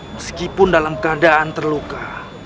meskipun dalam keadaan terluka